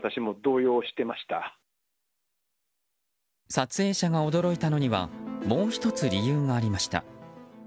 撮影者が驚いたのにはもう１つ、理由がありました。